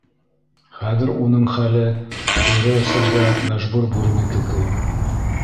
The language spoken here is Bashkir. Хәҙер уның хәле өйрә эсергә мәжбүр бүренеке кеүек.